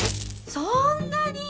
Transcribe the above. そんなに！？